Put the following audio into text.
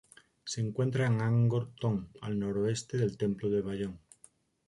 Se encuentra en Angkor Thom, al noroeste del templo de Bayón.